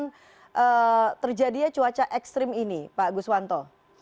apa yang terjadi cuaca ekstrim ini pak guswanto